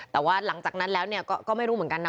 แต่ว่าหลังจากนั้นแล้วก็ไม่รู้เหมือนกันนะ